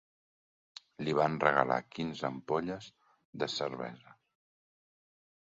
Li van regalar quinze ampolles de cervesa